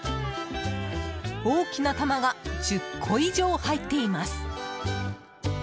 大きな玉が１０個以上入っています。